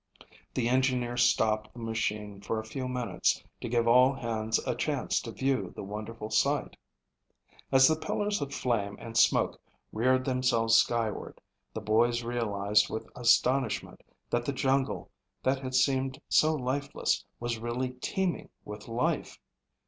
The engineer stopped the machine for a few minutes to give all hands a chance to view the wonderful sight. As the pillars of flame and smoke reared themselves skyward, the boys realized with astonishment that the jungle that had seemed so lifeless was really teeming with life.